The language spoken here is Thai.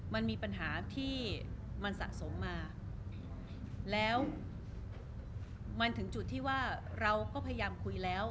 มันมีปัญหาที่มันสะสมมาแล้วมันถึงจุดที่ว่าเราก็พยายามคุยแล้ว